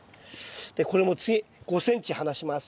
でこれも次５ｃｍ離します。